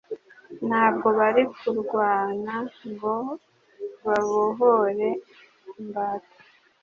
Ntabwo bari kurwana ngo babohore imbata